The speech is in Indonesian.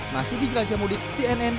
masih dijelajah mudik cnn